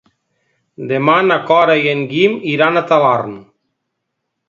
Demà na Cora i en Guim iran a Talarn.